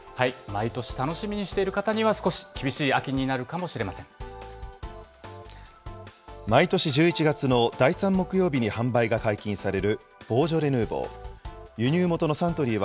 毎年、楽しみにしている方には、少し厳しい秋になるかもしれ毎年１１月の第３木曜日に販売が解禁されるボージョレ・ヌーボー。